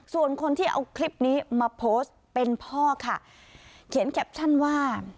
ส่วนคนที่เอาคลิปนี้มาโพสต์เป็นพ่อค่ะเขียนแคปชั่นว่า